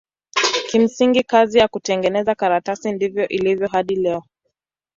Kimsingi kazi ya kutengeneza karatasi ndivyo ilivyo hadi leo.